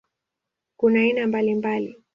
Kuna aina mbalimbali.